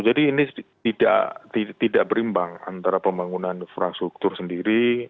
jadi ini tidak berimbang antara pembangunan infrastruktur sendiri